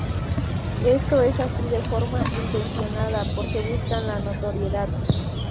Esto es así de forma intencionada porque buscaban la notoriedad.